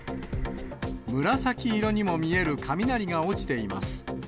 紫色にも見える雷が落ちています。